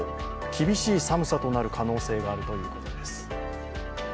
厳しい寒さとなる可能性があるということです。